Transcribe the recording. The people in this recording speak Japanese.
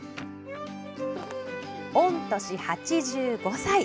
御年８５歳。